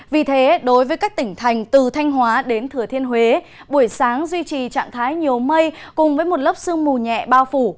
vì thế đối với các tỉnh thành từ thanh hóa đến thừa thiên huế buổi sáng duy trì trạng thái nhiều mây cùng với một lớp sương mù nhẹ bao phủ